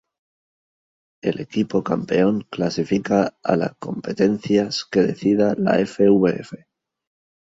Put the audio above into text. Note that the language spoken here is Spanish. El equipo campeón clasifica a la competencias que decida la fvf.